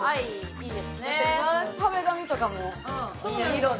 壁紙とかもいい色で。